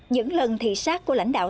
những lần thị sát của lãnh đạo